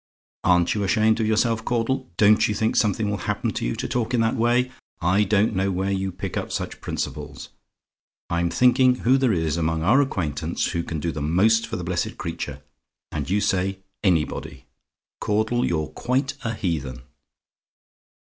"Aren't you ashamed of yourself, Caudle? Don't you think something will happen to you, to talk in that way? I don't know where you pick up such principles. I'm thinking who there is among our acquaintance who can do the most for the blessed creature, and you say, 'ANYBODY!' Caudle, you're quite a heathen.